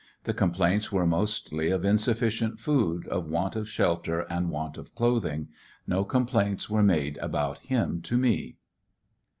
The com plaints were mostly of insufficient food, of want of shelter, and want of clothing. No com plaints were made about him to me.